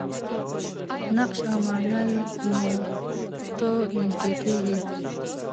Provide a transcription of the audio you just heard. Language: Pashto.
نقش او معنا یې نو ته نژدې کېږي.